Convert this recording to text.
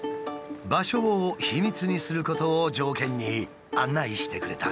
場所を秘密にすることを条件に案内してくれた。